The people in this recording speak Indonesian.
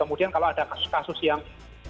kemudian kalau ada kasus kasus yang